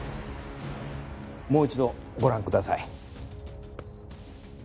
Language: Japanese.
もう一度ご覧ください。